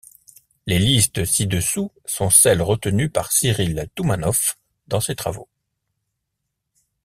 Les listes ci-dessous sont celles retenues par Cyrille Toumanoff dans ses travaux.